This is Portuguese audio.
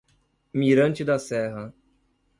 Mirante da Serra